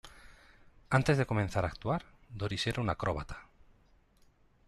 Antes de comenzar a actuar, Doris era una acróbata.